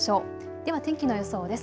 では天気の予想です。